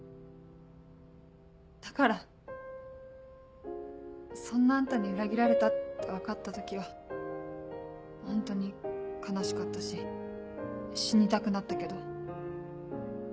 だからそんなあんたに裏切られたって分かった時はホントに悲しかったし死にたくなったけど。